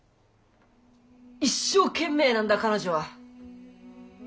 一生懸命なんだ彼女は。